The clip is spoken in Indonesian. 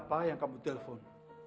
siapa yang kamu telpon